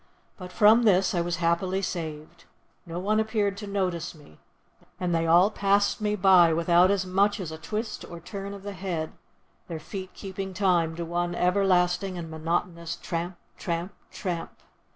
But from this I was happily saved; no one appeared to notice me, and they all passed me by without as much as a twist or turn of the head, their feet keeping time to one everlasting and monotonous tramp, tramp, tramp.